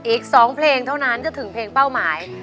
อีก๒เพลงเท่านั้นก็ถึงเพลงเป้าหมาย